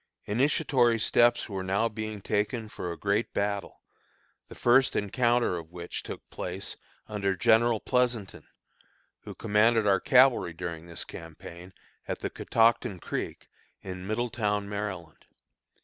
Initiatory steps were now being taken for a great battle, the first encounter of which took place, under General Pleasonton, who commanded our cavalry during this campaign, at the Catoctin Creek, in Middletown, Maryland.